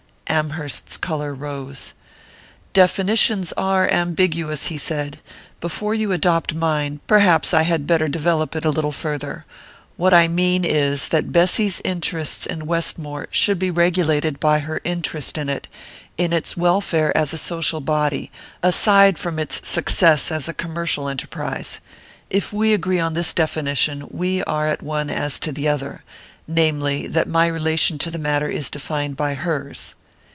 Amherst's colour rose. "Definitions are ambiguous," he said. "Before you adopt mine, perhaps I had better develop it a little farther. What I mean is, that Bessy's interests in Westmore should be regulated by her interest in it in its welfare as a social body, aside from its success as a commercial enterprise. If we agree on this definition, we are at one as to the other: namely that my relation to the matter is defined by hers."